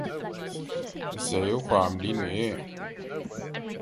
It was built by local Albanians with the help of the Albanian diaspora.